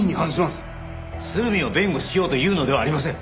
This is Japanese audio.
鶴見を弁護しようというのではありません。